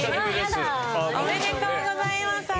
おめでとうございます飛鳥様！